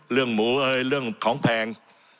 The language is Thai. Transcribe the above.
เรื่องหมูเอ้ยเรื่องของแพง